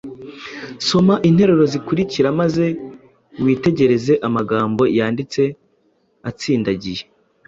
Soma interuro zikurikira maze witegereze amagambo yanditse atsindangiye,